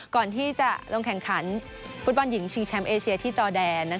ก่อนที่จะลงแข่งขันฟุตบอลหญิงชิงแชมป์เอเชียที่จอแดน